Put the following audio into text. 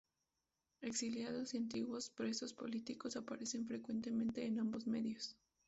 Exiliados y antiguos presos políticos aparecen frecuentemente en ambos medios.